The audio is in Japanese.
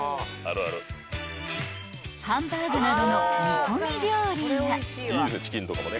［ハンバーグなどの煮込み料理や］